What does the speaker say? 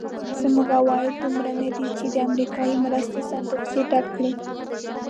زموږ عواید دومره ندي چې د امریکایي مرستې صندوقچه ډکه کړي.